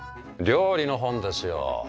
料理の本ですよ。